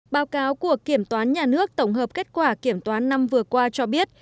báo cáo của kiểm toán nhà nước tổng hợp kết quả kiểm toán năm vừa qua cho biết